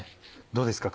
どうですか？